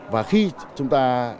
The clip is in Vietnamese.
và khi chúng ta